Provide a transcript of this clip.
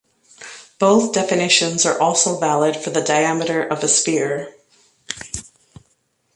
Both definitions are also valid for the diameter of a sphere.